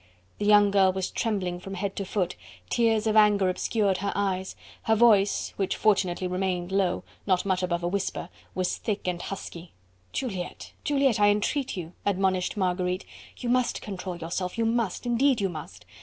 The young girl was trembling from head to foot, tears of anger obscured her eyes; her voice, which fortunately remained low not much above a whisper was thick and husky. "Juliette! Juliette! I entreat you," admonished Marguerite, "you must control yourself, you must, indeed you must.